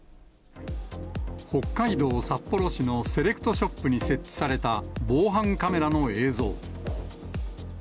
北海道札幌市のセレクトショップに設置された防犯カメラの映像。